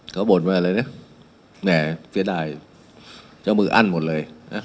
เขาบ่นมาอะไรเนี้ยแม่เฟียดไอด์เจ้ามืออั้นหมดเลยนะ